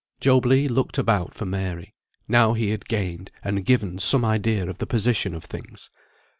Job Legh looked about for Mary, now he had gained, and given, some idea of the position of things.